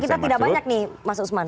oke waktu kita tidak banyak nih mas usman